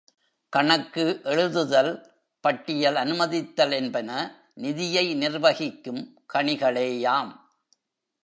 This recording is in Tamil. கணக்கு எழுதுதல், பட்டியல் அனுமதித்தல் என்பன நிதியை நிர்வகிக்கும் கணிகளேயாம்.